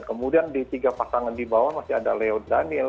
kemudian di tiga pasangan di bawah masih ada leo daniel